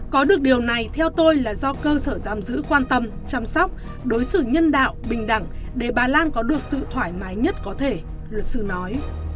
có được điều này theo tôi là do cơ sở giam giữ quan tâm chăm sóc đối xử nhân đạo bình đẳng để bà lan có được sự thoải mái nhất có thể luật sư nói